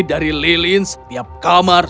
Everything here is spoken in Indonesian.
dari lilin setiap kamar